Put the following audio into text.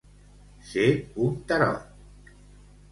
Ser un tarot.